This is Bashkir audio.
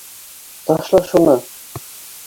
—- Ташла шуны